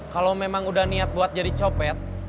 kalau memang udah niat buat jadi copet